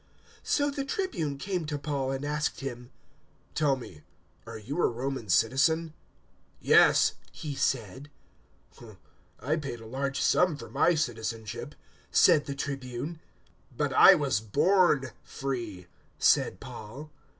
022:027 So the Tribune came to Paul and asked him, "Tell me, are you a Roman citizen?" "Yes," he said. 022:028 "I paid a large sum for my citizenship," said the Tribune. "But I was born free," said Paul.